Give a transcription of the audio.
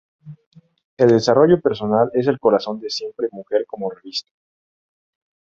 El desarrollo personal es el corazón de Siempre Mujer como revista.